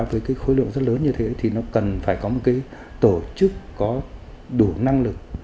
với cái khối lượng rất lớn như thế thì nó cần phải có một cái tổ chức có đủ năng lực